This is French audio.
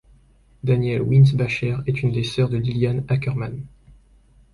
Danielle Winsbacher est une des sœurs de Liliane Ackermann.